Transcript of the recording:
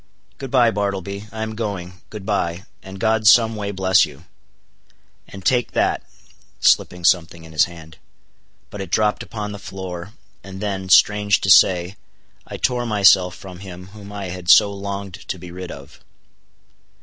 "Good bye, Bartleby; I am going—good bye, and God some way bless you; and take that," slipping something in his hand. But it dropped upon the floor, and then,—strange to say—I tore myself from him whom I had so longed to be rid of.